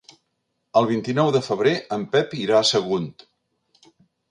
El vint-i-nou de febrer en Pep irà a Sagunt.